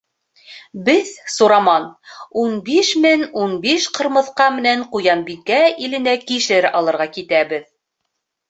Беҙ, Сураман, ун биш мен ун биш ҡырмыҫҡа менән Ҡуянбикә иленә кишер алырға китәбеҙ!